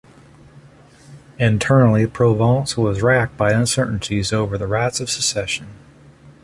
Internally, Provence was racked by uncertainties over the rights of succession.